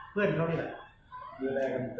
เพื่อนเขาดูอันแรก